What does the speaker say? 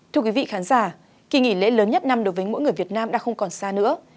thưa quý vị khán giả kỳ nghỉ lễ lớn nhất năm đối với mỗi người việt nam đã không còn xa nữa